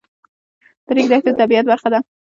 د ریګ دښتې د طبیعت برخه ده.